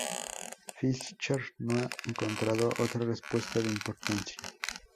Fischer no ha encontrado otra respuesta de importancia.